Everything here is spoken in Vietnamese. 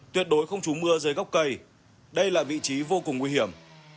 tuyệt đối không trú mưa dưới góc cây đây là vị trí vô cùng nguy hiểm